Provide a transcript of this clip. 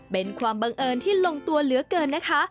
เป็นความบังเอิญที่ลงตัวเหลือเกินนะคะ